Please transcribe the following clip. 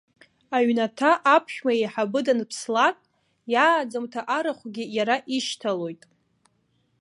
Аҩнаҭа аԥшәма еиҳабы данԥслак, иааӡамҭа арахәгьы иара ишьҭалоит.